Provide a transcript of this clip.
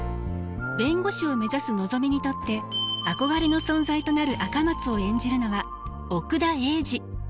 弁護士を目指すのぞみにとって憧れの存在となる赤松を演じるのは奥田瑛二。